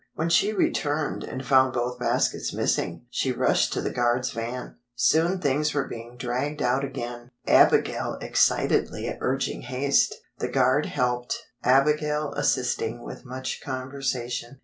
When she returned and found both baskets missing, she rushed to the guard's van. Soon things were being dragged out again, Abigail excitedly urging haste. The guard helped, Abigail assisting with much conversation.